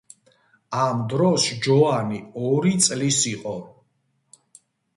ამ დროს ჯოანი ორი წლის იყო.